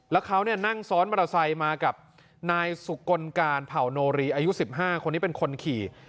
แล้วเขานั่งซ้อนมอเตอร์ไซค์มากับนายสุกลการเผ่าโนรีอายุ๑๕คนนี้เป็นคนขี่